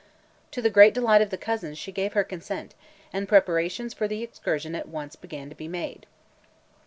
To the great delight of the cousins, she gave her consent, and preparations for the excursion at once began to be made.